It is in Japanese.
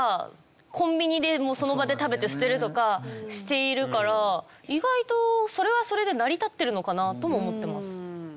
コンビニでもうその場で食べて捨てるとかしているから意外とそれはそれで成り立ってるのかなとも思ってます。